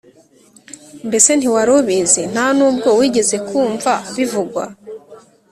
Mbese ntiwari ubizi ? Nta n’ubwo wigeze kumva bivugwa ?